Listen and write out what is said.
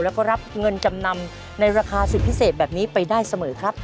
แล้วก็รับเงินจำนำในราคาสิทธิพิเศษแบบนี้ไปได้เสมอครับ